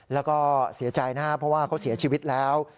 แล้วก็เสียใจนะครับเพราะว่าเขาเสียชีวิตแล้ว